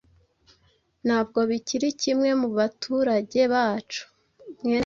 Ntabwo bikiri kimwe mubaturage bacu